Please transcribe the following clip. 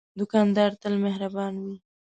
دوکاندار تل مهربان وي.